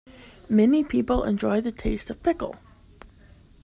Many people enjoy the taste of pickle.